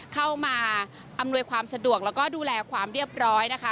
เข้ามาอำนวยความสะดวกแล้วก็ดูแลความเรียบร้อยนะคะ